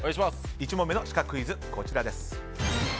１問目のシカクイズはこちら。